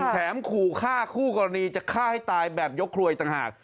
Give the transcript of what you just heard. ขู่ฆ่าคู่กรณีจะฆ่าให้ตายแบบยกครัวอีกต่างหาก